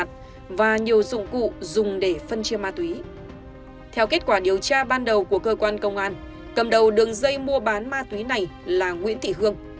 theo kết quả điều tra ban đầu của cơ quan công an cầm đầu đường dây mua bán ma túy này là nguyễn thị hương